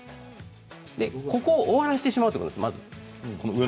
そこを終わらせてしまうということです。